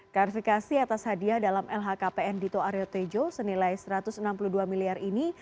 klarifikasi atas hadiah dalam lhkpn dito aryo tejo senilai satu ratus enam puluh dua miliar ini